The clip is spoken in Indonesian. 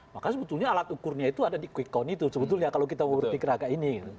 maka sebetulnya alat ukurnya itu ada di kwikaun itu sebetulnya kalau kita menguruti geraka ini